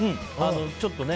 ちょっとね。